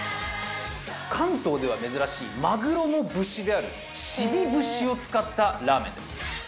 関東では珍しいマグロの節であるシビ節を使ったラーメンです